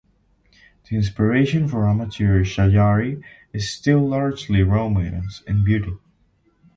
The inspiration for amateur "shayari" is still largely romance and beauty.